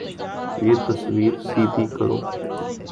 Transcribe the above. یہ تصویر سیدھی کرو